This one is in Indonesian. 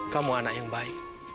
kamu anak yang baik